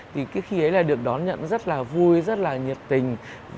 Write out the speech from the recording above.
thì cái khi ấy là được đón nhận rất là vui rất là nhiệt tình